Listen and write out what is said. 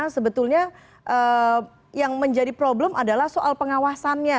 sebetulnya yang menjadi problem adalah soal pengawasannya